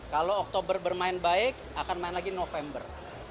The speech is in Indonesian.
kalau oktober bermain baik akan main lagi november